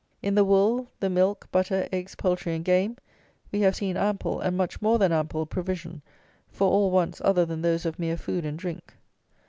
In the wool, the milk, butter, eggs, poultry, and game, we have seen ample, and much more than ample, provision for all wants other than those of mere food and drink.